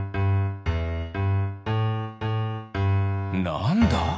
なんだ？